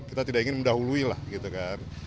kita tidak ingin mendahului lah gitu kan